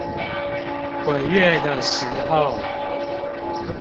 鬼月的時候